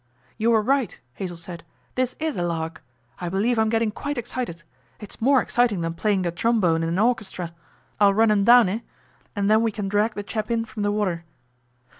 'You were right,' Hazell said; 'this is a lark. I believe I'm getting quite excited. It's more exciting than playing the trombone in an orchestra. I'll run him down, eh? and then we can drag the chap in from the water.